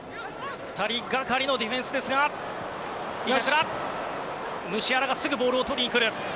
２人がかりのディフェンスですがムシアラがすぐにボールをとりにくる。